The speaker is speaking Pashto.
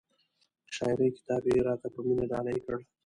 د شاعرۍ کتاب یې را ته په مینه ډالۍ کړ.